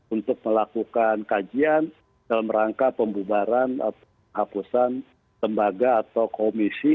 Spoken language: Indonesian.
untuk melakukan kajian dalam rangka pembubaran hapusan lembaga atau komisi